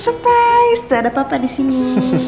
surprise tuh ada papa di sini